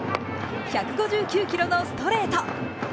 １５９キロのストレート。